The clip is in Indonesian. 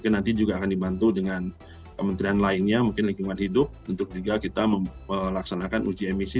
nanti juga akan dibantu dengan kementerian lainnya mungkin lingkungan hidup untuk juga kita melaksanakan uji emisi